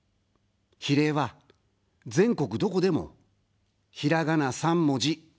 比例は、全国どこでも、ひらがな３文字。